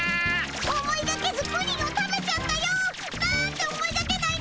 思いがけずプリンを食べちゃったよ。なんて思いがけないんだい。